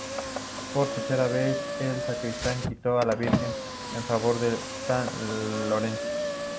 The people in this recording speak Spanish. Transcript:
Por tercera vez el sacristán quitó a la Virgen en favor de San Lorenzo.